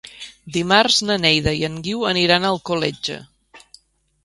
Dimarts na Neida i en Guiu aniran a Alcoletge.